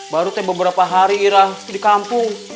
baru kayak beberapa hari ira di kampung